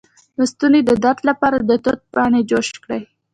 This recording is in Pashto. د ستوني د درد لپاره د توت پاڼې جوش کړئ